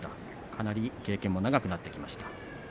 かなり経験も長くなってきました。